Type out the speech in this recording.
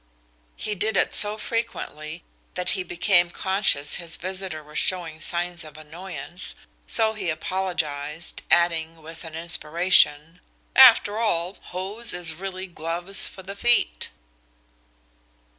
He did it so frequently that he became conscious his visitor was showing signs of annoyance, so he apologised, adding, with an inspiration, "After all, hose is really gloves for the feet."